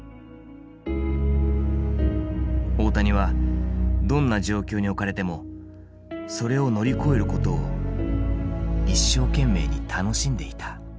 大谷はどんな状況に置かれてもそれを乗り越えることを一生懸命に楽しんでいた。